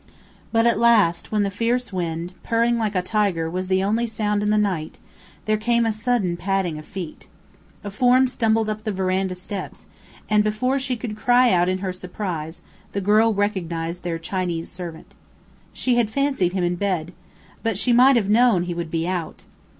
But at last when the fierce wind, purring like a tiger, was the only sound in the night, there came a sudden padding of feet. A form stumbled up the veranda steps, and before she could cry out in her surprise, the girl recognized their Chinese servant. She had fancied him in bed. But she might have known he would be out!